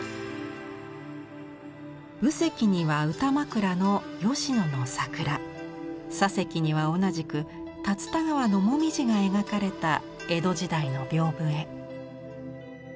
右隻には歌枕の吉野の桜左隻には同じく龍田川の紅葉が描かれた江戸時代の屏風絵。